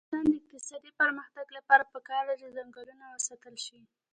د افغانستان د اقتصادي پرمختګ لپاره پکار ده چې ځنګلونه وساتل شي.